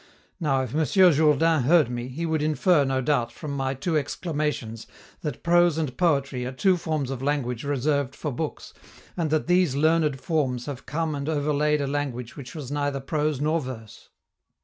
Now, if Mons. Jourdain heard me, he would infer, no doubt, from my two exclamations that prose and poetry are two forms of language reserved for books, and that these learned forms have come and overlaid a language which was neither prose nor verse.